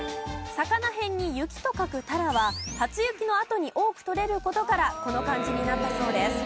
魚へんに雪と書く鱈は初雪のあとに多くとれる事からこの漢字になったそうです。